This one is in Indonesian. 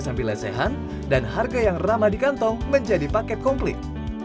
sambil lesehan dan harga yang ramah di kantong menjadi paket komplit